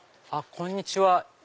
こんにちは。